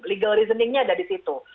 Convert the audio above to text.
legal reasoningnya ada di situ